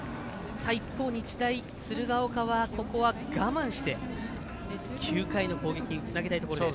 一方、日大鶴ヶ丘はここは我慢して９回の攻撃につなげたいところです。